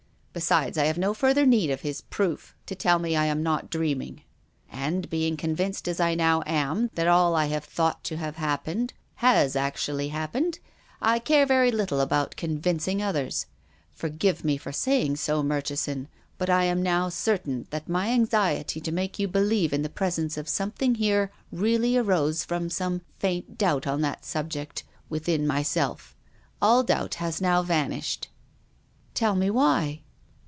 Besides, I have no further need of his proof to tell me I am not dreaming. And, being convinced as I now am, that all I have thought to have happened has actually happened, I care very little about convincing others. For give me for saying so, Murchison, but I am now certain that my anxiety to make you believe in the presence of something here really arose from some faint doubt on that subject — within myself. All doubt has now vanished." " Tell me why.